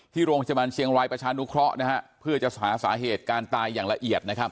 โรงพยาบาลเชียงรายประชานุเคราะห์นะฮะเพื่อจะหาสาเหตุการตายอย่างละเอียดนะครับ